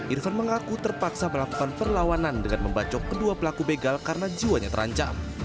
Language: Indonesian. irfan mengaku terpaksa melakukan perlawanan dengan membacok kedua pelaku begal karena jiwanya terancam